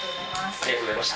ありがとうございます。